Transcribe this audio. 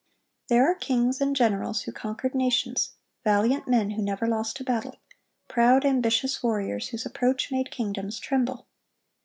There are kings and generals who conquered nations, valiant men who never lost a battle, proud, ambitious warriors whose approach made kingdoms tremble.